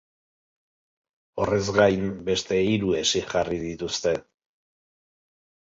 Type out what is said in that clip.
Horrez gain, beste hiru hesi jarri dituzte.